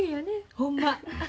ほんま。